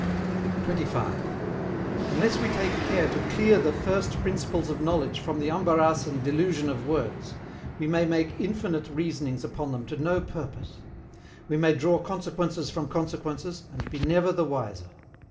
25. Unless we take care TO CLEAR THE FIRST PRINCIPLES OF KNOWLEDGE FROM THE embarras and DELUSION OF WORDS, we may make infinite reasonings upon them to no purpose; we may draw consequences from consequences, and be never the wiser.